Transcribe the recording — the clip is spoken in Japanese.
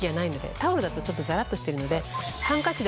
タオルだとちょっとザラっとしてるので。